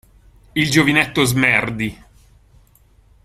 Il giovinetto Smerdi.